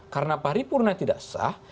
karena paripurna tidak sah